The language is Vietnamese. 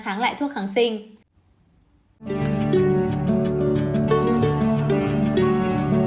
kháng lại thuốc kháng sinh